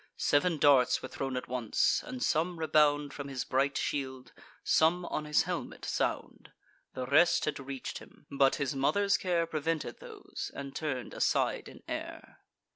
Sev'n darts were thrown at once; and some rebound From his bright shield, some on his helmet sound: The rest had reach'd him; but his mother's care Prevented those, and turn'd aside in air.